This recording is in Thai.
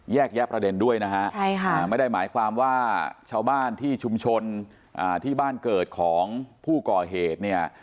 แยะประเด็นด้วยนะฮะไม่ได้หมายความว่าชาวบ้านที่ชุมชนที่บ้านเกิดของผู้ก่อเหตุเนี่ย